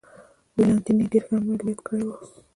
ولانتیني ډېر ښه عملیات کړي و.